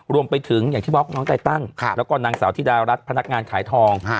อย่างที่บอกน้องไตตันแล้วก็นางสาวธิดารัฐพนักงานขายทอง